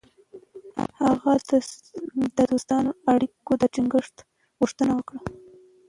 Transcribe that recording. هغه د دوستانه اړیکو د ټینګښت غوښتنه وکړه.